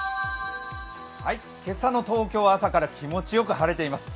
今朝の東京は朝から気持ちよく晴れています。